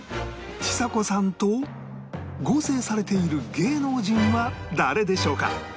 ちさ子さんと合成されている芸能人は誰でしょうか？